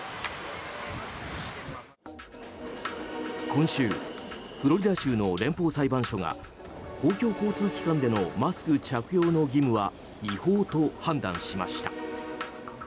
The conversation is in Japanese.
今週、フロリダ州の連邦裁判所が公共交通機関でのマスク着用の義務は違法と判断しました。